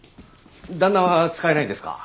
旦那は使えないんですか？